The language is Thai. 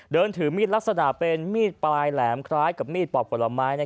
เดินถือมีดลักษณะเป็นมีดปลายแหลมคล้ายกับมีดปอกผลไม้